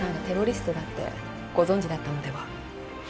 テロリストだってご存じだったのでは？